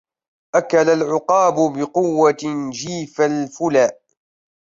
أكل العقاب بقوة جيف الفلا